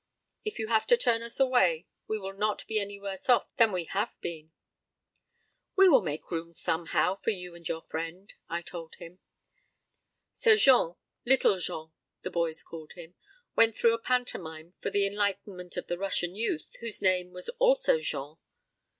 If you have to turn us away we will not be any worse off than we have been." "We will make room somehow for you and your friend," I told him. So Jean Little Jean, the boys called him went through a pantomime for the enlightenment of the Russian youth whose name was also Jean.